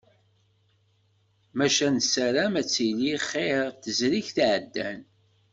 Maca nessaram ad tili xir n tezrigt iɛeddan.